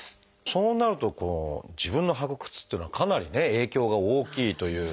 そうなると自分の履く靴っていうのはかなりね影響が大きいという。